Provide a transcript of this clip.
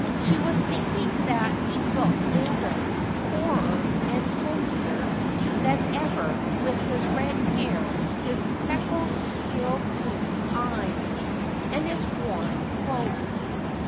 She was thinking that he looked older, poorer and homelier than ever with his red hair, his spectacled, pale blue eyes and his worn clothes.